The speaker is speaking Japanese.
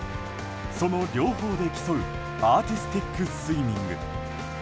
その両方で競うアーティスティックスイミング。